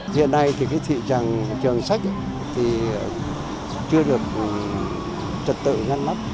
hiện nay thì cái thị tràng trường sách thì chưa được trật tự ngăn mắt